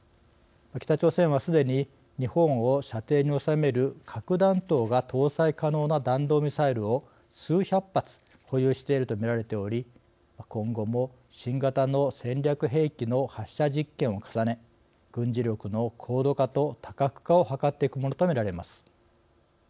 北朝鮮はすでに日本を射程に収める核弾頭が搭載可能な弾道ミサイルを数百発保有しているとみられており今後も新型の戦略兵器の発射実験を重ね軍事力の高度化と多角化をはかっていくものとみられます。